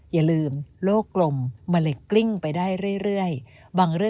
อย่าลืมโลกกลมมะเลกกลิ้งไปได้เรื่อย